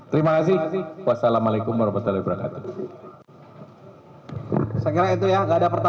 terima kasih wassalamualaikum warahmatullahi wabarakatuh